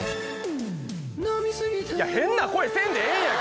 変な声せんでええやん